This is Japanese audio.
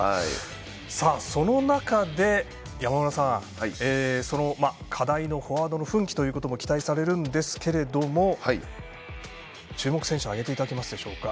その中で、課題のフォワードの奮起ということも期待されるんですけれども注目選手、挙げていただけますか。